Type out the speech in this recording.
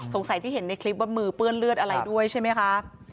ที่เห็นในคลิปว่ามือเปื้อนเลือดอะไรด้วยใช่ไหมคะ